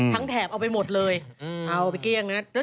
แถบเอาไปหมดเลยเอาไปเกลี้ยงนะ